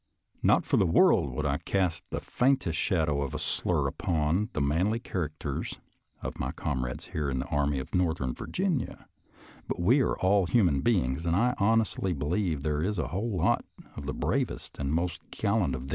" Not for the world would I cast the faintest shadow of a slur upon the manly characters of my comrades here in the Army of Northern Virginia, but we are all human beings, and I honestly believe there is a whole lot of the bravest and most gallant of them \V.